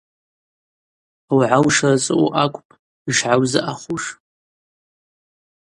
Аугӏа ушырзыъу акӏвпӏ йшгӏаузыъахуш.